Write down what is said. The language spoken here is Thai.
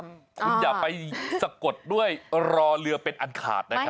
คุณอย่าไปสะกดด้วยรอเรือเป็นอันขาดนะครับ